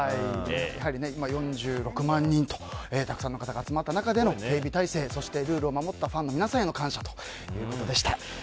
やはり、４６万人とたくさんの方が集まった中での警備態勢ルールを守ったファンの皆さんへの感謝ということでした。